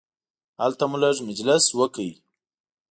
هلته مو لږ مجلس وکړ.